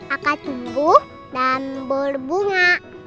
akan tumbuh dan berbunga